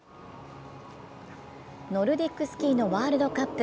ノルディックスキーのワールドカップ。